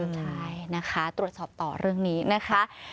ใช่นะคะตรวจสอบต่อเรื่องนี้นะคะ